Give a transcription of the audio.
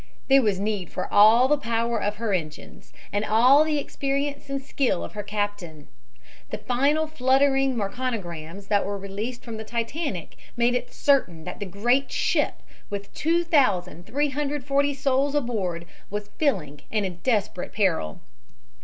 There was need for all the power of her engines and all the experience and skill of her captain. The final fluttering Marconigrams that were released from the Titanic made it certain that the great ship with 2340 souls aboard was filling and in desperate peril.